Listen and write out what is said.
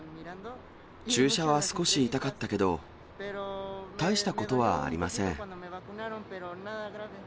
注射は少し痛かったけど、大したことはありません。